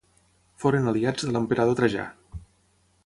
Foren aliats de l'emperador Trajà.